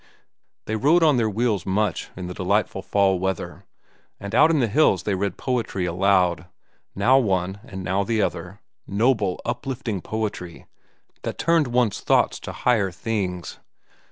They rode on their wheels much in the delightful fall weather, and out in the hills they read poetry aloud, now one and now the other, noble, uplifting poetry that turned one's thoughts to higher things.